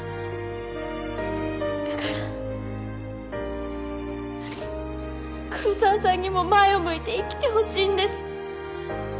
だから黒澤さんにも前を向いて生きてほしいんです。